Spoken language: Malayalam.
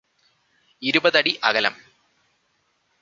ഇരുപതടി അകലം